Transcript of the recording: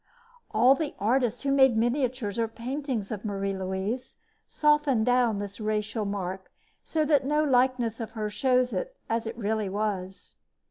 All the artists who made miniatures or paintings of Marie Louise softened down this racial mark so that no likeness of her shows it as it really was.